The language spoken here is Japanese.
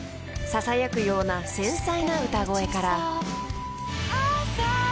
［ささやくような繊細な歌声から］